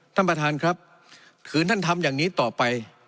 ท่านประธานครับคืนท่านทำอย่างนี้ต่อไป